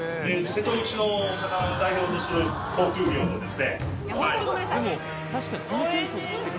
瀬戸内の魚を代表とする高級魚ですね。